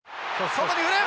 外に振る！